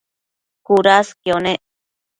cudasquio nec